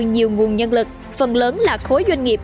nhiều nguồn nhân lực phần lớn là khối doanh nghiệp